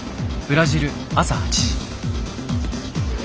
ブラジル朝８時。